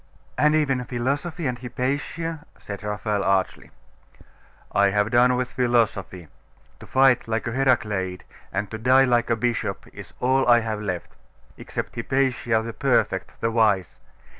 'And even philosophy and Hypatia?' said Raphael archly. 'I have done with philosophy. To fight like a Heracleid, and to die like a bishop, is all I have left except Hypatia, the perfect, the wise!